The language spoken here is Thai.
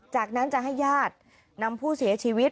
จากนั้นจะให้ญาตินำผู้เสียชีวิต